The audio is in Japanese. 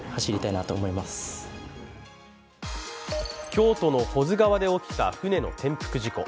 京都の保津川で起きた舟の転覆事故。